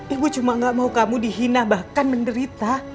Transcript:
ibu cuma nggak mau kamu dihina bahkan menderita